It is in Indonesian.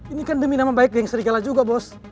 ini kan demi nama baik geng serigala juga bos